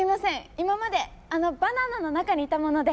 今まであのバナナの中にいたもので。